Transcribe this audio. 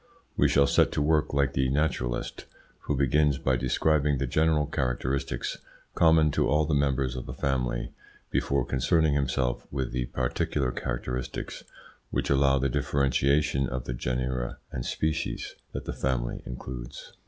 We shall set to work like the naturalist, who begins by describing the general characteristics common to all the members of a family before concerning himself with the particular characteristics which allow the differentiation of the genera and species that the family includes.